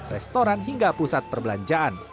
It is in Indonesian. restoran hingga pusat perbelanjaan